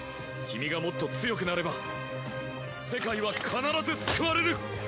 君がもっと強くなれば世界は必ず救われる！